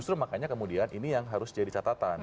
justru makanya kemudian ini yang harus jadi catatan